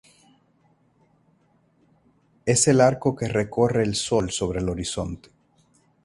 Es el arco que recorre el sol sobre el horizonte.